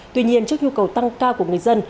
tuy nhiên trước nhu cầu tăng cao của người dân